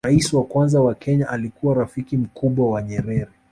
rais wa kwanza wa kenya alikuwa rafiki mkubwa wa nyerere